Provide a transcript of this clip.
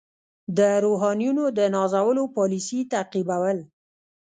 د روحانیونو د نازولو پالیسي تعقیبول.